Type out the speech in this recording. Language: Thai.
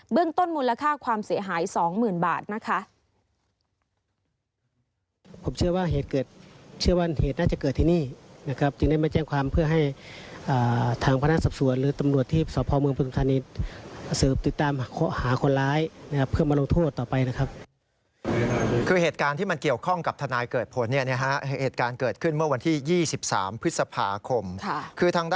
เบื้องต้นมูลค่าความเสียหาย๒๐๐๐๐บาท